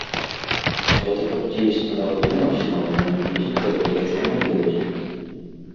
Гэта каб дзействы на вадзе максімальна наблізіць да гледачоў на беразе.